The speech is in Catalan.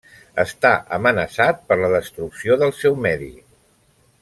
Està amenaçat per la destrucció del seu medi.